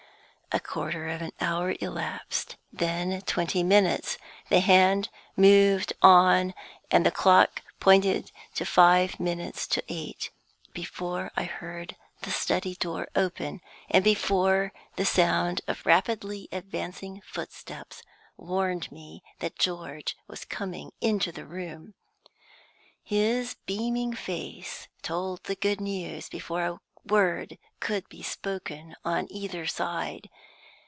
A quarter of an hour elapsed then twenty minutes. The hand moved on, and the clock pointed to five minutes to eight, before I heard the study door open, and before the sound of rapidly advancing footsteps warned me that George was coming into the room. His beaming face told the good news before a word could be spoken on either side.